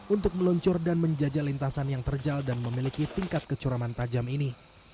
untuk meluncur dan menjajah lintasan yang terjal dan memiliki tingkat kecuraman tajam ini